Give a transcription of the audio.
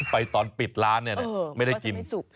ไปตอนปิดร้านเนี่ยนะไม่ได้กิน